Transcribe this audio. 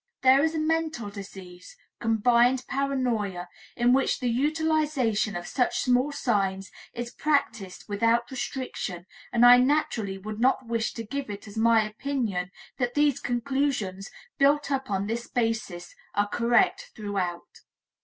There is a mental disease, combined paranoia, in which the utilization of such small signs is practiced without restriction and I naturally would not wish to give it as my opinion that these conclusions, built up on this basis, are correct throughout.